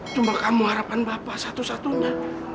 cuma kamu harapkan bapak satu satunya